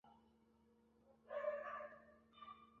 কিন্তু এ কী সৃষ্টিছাড়া ব্যাপার।